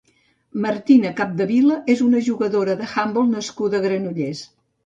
Martina Capdevila és una jugadora d'handbol nascuda a Granollers.